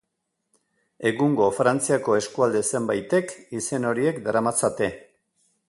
Egungo Frantziako eskualde zenbaitek izen horiek daramatzate.